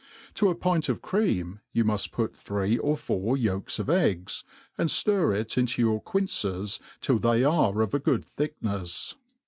To a pint of cream you muft put three or four yolks of eggs, and ftir it into your quinces till they ^ve of a good thicknefs.